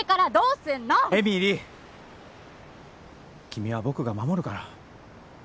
君は僕が守るから。